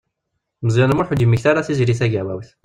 Meẓyan U Muḥ ur d-yemmekti ara Tiziri Tagawawt.